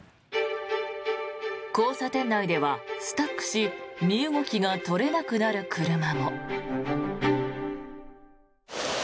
交差点内では、スタックし身動きが取れなくなる車も。